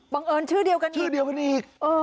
บังเอิญชื่อเดียวกันอีก